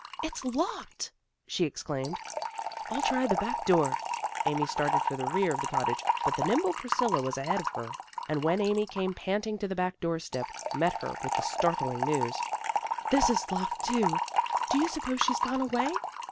"It's locked!" she exclaimed. "I'll try the back door." Amy started for the rear of the cottage, but the nimble Priscilla was ahead of her, and when Amy came panting to the back doorstep, met her with the startling news, "This is locked, too. Do you suppose she's gone away?"